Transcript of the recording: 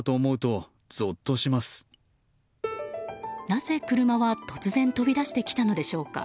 なぜ車は突然飛び出してきたのでしょうか。